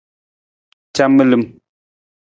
Camilim.